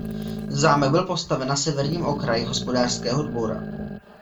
Zámek byl postaven na severním okraji hospodářského dvora.